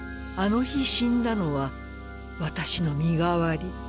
あの日死んだのは私の身代わり。